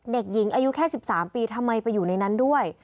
เด็กหญิงอายุแค่๑๓ปีทำไมไปอยู่ในนั้นด้วย